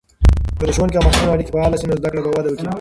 که د ښوونکو او محصلینو اړیکې فعاله سي، نو زده کړه به وده وکړي.